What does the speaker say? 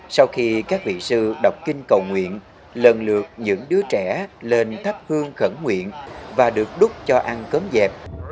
sau khi các vị sư đọc kinh cầu nguyện lần lượt những đứa trẻ lên thách hương khẩn nguyện và được đút cho ăn cấm dẹp